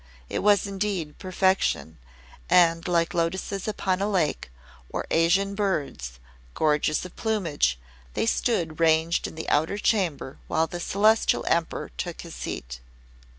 It was indeed perfection, and, like lotuses upon a lake, or Asian birds, gorgeous of plumage, they stood ranged in the outer chamber while the Celestial Emperor took his seat.